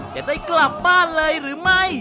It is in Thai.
จะได้กลับบ้านเลยหรือไม่